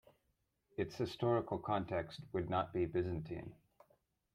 Its historical context would not be Byzantine.